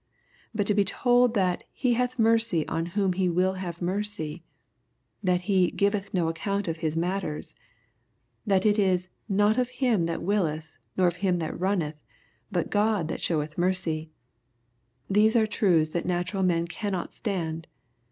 But to be told that " He hath mercy on whom He wiU have mercy," — that He " giveth no account of His matters,'* that it is " not of him that willeth, nor of him that runneth, but of God that show eth mercy," — these are truths that natural man cannot stand.